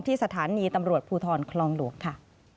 สถานีตำรวจภูทรคลองหลวงค่ะ